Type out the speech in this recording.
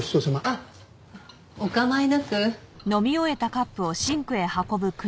あっお構いなく。